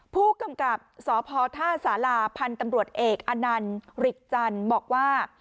ผู้กำกับสพท่าสาราพันธ์ตำรวจเอกอนันต์ริกจันทร์บอกว่า